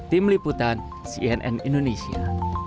tim liputan cnn indonesia